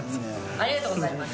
ありがとうございます。